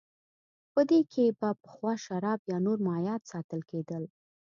په دې کې به پخوا شراب یا نور مایعات ساتل کېدل